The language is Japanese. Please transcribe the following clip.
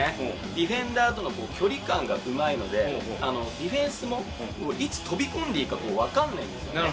ディフェンダーとの距離感がうまいので、ディフェンスも、いつ飛び込んでいいか分かんないんですね。